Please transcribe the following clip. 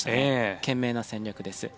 賢明な戦略です。